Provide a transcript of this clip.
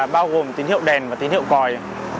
bao gồm tín hiệu đèn và tín hiệu coi